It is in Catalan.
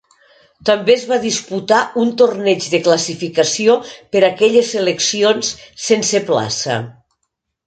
També es va disputar un torneig de classificació per aquelles seleccions sense plaça.